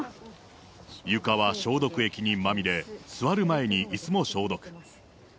床は消毒液にまみれ、座る前にいすも消毒。